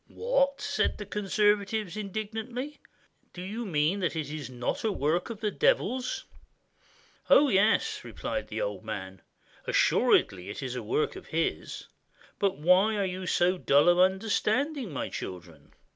" "What !" said the conservatives indignantly; "do you mean that it is not a work of the Devil's ?" "Oh, yes," replied the old man, "assuredly it is a work of his; but why are you so dull of understanding, my children?